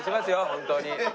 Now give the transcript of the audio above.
本当に。